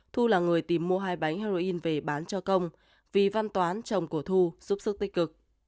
thu là người tìm mua hai bánh heroin về bán cho công vì văn toán chồng của thu giúp sức tích cực